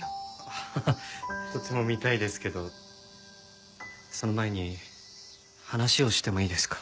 ハハハとても見たいですけどその前に話をしてもいいですか？